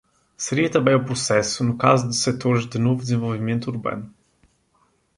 Seria também o processo no caso de setores de novo desenvolvimento urbano.